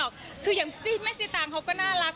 คืออย่างแม่สิตางเขาก็น่ารัก